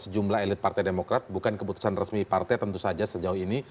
sejumlah elit partai demokrat bukan keputusan resmi partai tentu saja sejauh ini